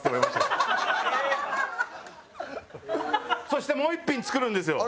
そしてもう一品作るんですよ。